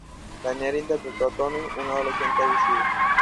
Daniel interpretó a "Tony" un adolescente abusivo.